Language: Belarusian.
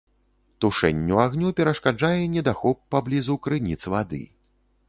Тушэнню агню перашкаджае недахоп паблізу крыніц вады.